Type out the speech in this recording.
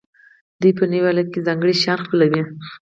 دوی په نوي حالت کې ځانګړي شیان خپلوي.